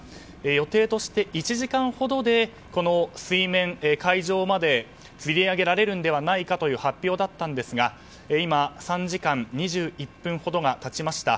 予定としては１時間ほどでこの水面、海上までつり上げられるのではないかという発表でしたが今、３時間２１分ほどが経ちました。